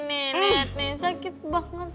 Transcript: nih niat nih sakit banget